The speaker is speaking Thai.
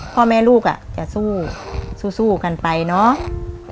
พ่อแม่ลูกจะสู้สู้กันไปเนาะ